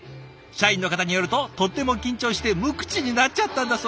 社員の方によるととっても緊張して無口になっちゃったんだそうです。